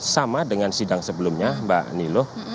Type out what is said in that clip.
sama dengan sidang sebelumnya mbak niloh